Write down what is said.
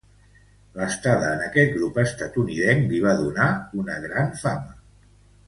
L'estada en este grup estatunidenc li va donar una gran fama.